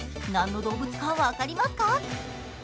何の動物か分かりますか？